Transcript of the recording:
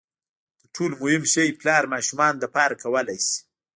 تر ټولو مهم شی پلار ماشومانو لپاره کولای شي.